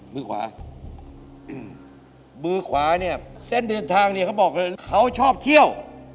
มือขวามือขวาเนี่ยเส้นเดินทางเนี่ยเขาบอกเลยเขาชอบเที่ยว